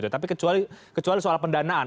tapi kecuali soal pendanaan